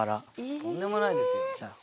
とんでもないですよ。